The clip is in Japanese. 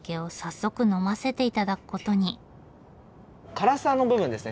辛さの部分ですね